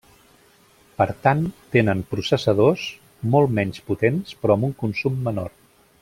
Per tant, tenen processadors molt menys potents però amb un consum menor.